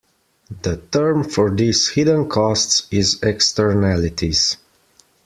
The term for these hidden costs is "Externalities".